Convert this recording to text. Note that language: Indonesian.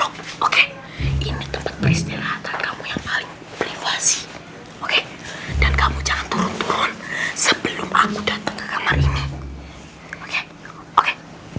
oke ini tempat peristirahatan kamu yang paling privasi oke dan kamu jangan turun turun sebelum aku datang ke kamar ini oke oke